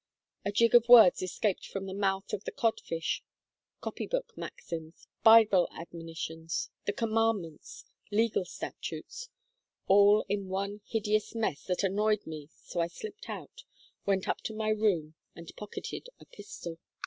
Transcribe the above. A jig of words escaped from the mouth of the codfish: copy book maxims, Bible admonitions, the commandments, legal statutes; all in one hideous mess that annoyed me so I slipped out, went up to my room, and pocketed a pistol.